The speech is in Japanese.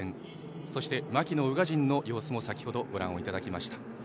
そして槙野、宇賀神の様子も先ほどご覧いただきました。